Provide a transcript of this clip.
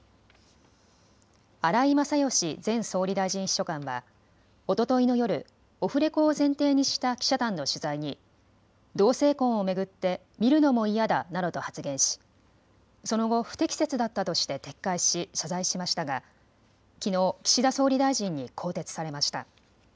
荒井勝喜前総理大臣秘書官はおとといの夜、オフレコを前提にした記者団の取材に同性婚を巡って見るのも嫌だなどと発言しその後、不適切だったとして撤回し謝罪しましたがきのう岸田総理大臣に更迭されました。